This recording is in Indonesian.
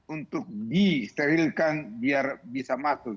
untuk disterilkan biar bisa masuk